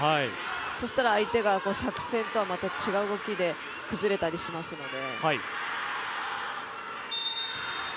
そしたら相手が作戦とはまた違う動きで崩れたりしますので。